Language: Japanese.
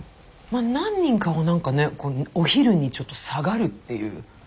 何人かはなんかねお昼にちょっと下がるっていう。